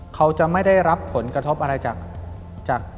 เขาจะไม่ได้รับผลกระทบอะไรจาก